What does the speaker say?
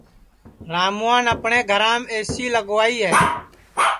راموان اپٹؔے گھرام اے سی لگوائی ہے